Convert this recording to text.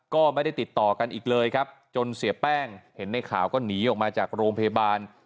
ก็ไม่ได้ติดต่อกันอีกเลยครับจนเสียแป้งเห็นในข่าวก็หนีออกมาจากโรงพยาบาล